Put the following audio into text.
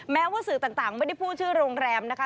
แม้ว่าสื่อต่างไม่ได้พูดชื่อโรงแรมนะคะ